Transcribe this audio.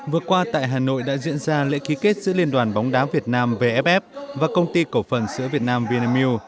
vừa qua tại hà nội đã diễn ra lễ ký kết giữa liên đoàn bóng đá việt nam vff và công ty cổ phần sữa việt nam vinamilk